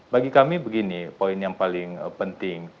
bagi kami begini poin yang paling penting